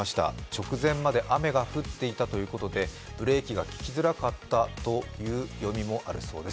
直前まで雨が降っていたということでブレーキが利きづらかったという読みもあったそうです。